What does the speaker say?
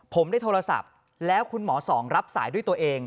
ผมได้โทรศัพท์แล้วคุณหมอสองรับสายด้วยตัวเอง